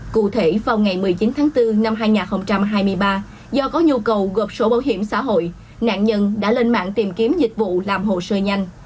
cụ thể vào ngày một mươi chín tháng bốn năm hai nghìn hai mươi ba do có nhu cầu gộp sổ bảo hiểm xã hội nạn nhân đã lên mạng tìm kiếm dịch vụ làm hồ sơ nhanh